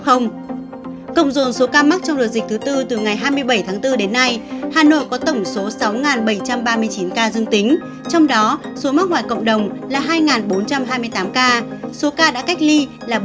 cộng dồn số ca mắc trong đợt dịch thứ tư từ ngày hai mươi bảy tháng bốn đến nay hà nội có tổng số sáu bảy trăm ba mươi chín ca dương tính trong đó số mắc ngoài cộng đồng là hai bốn trăm hai mươi tám ca số ca đã cách ly là bốn mươi bảy